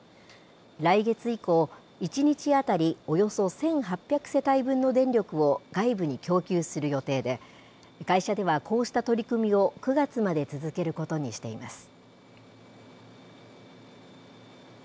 来月以降、１日当たりおよそ１８００世帯分の電力を外部に供給する予定で、会社ではこうした取り組みを９月まで続けることにしています。